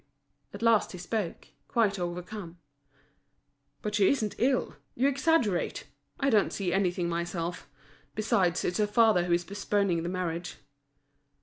At last he spoke, quite overcome, "But she isn't ill—you exaggerate! I don't see anything myself. Besides, it's her father who is postponing the marriage."